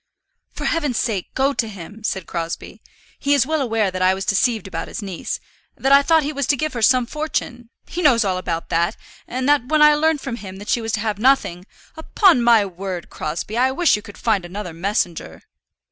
"For heaven's sake go to him," said Crosbie. "He is well aware that I was deceived about his niece, that I thought he was to give her some fortune. He knows all about that, and that when I learned from him that she was to have nothing " "Upon my word, Crosbie, I wish you could find another messenger."